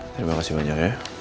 terima kasih banyak ya